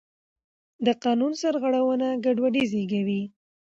د قانون سرغړونه ګډوډي زېږوي